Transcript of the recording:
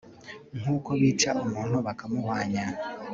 nk'uko bica umuntu bakamuhwanya